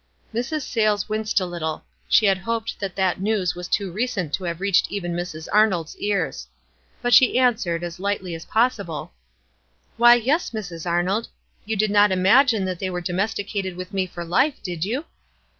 Mrs. Sayles winced a little. She had hoped that that news was too recent to have reached even Mrs. Arnold's ears. But she answered, as lightly as possible, — "Why, yes, Mrs. Arnold ; you did not imagine that they were domesticated with me for life, did you?"